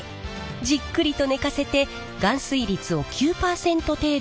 じっくりと寝かせて含水率を９％程度に戻します。